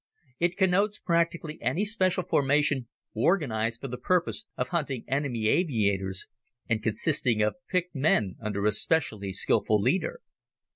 It connotes practically any special formation organized for the purpose of hunting enemy aviators, and consisting of picked men under a specially skilful leader.